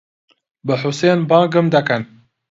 بە حوسێن بانگم دەکەن.